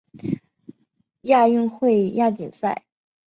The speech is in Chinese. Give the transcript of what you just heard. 亚运会亚锦赛